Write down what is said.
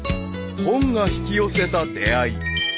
［本が引き寄せた出会い］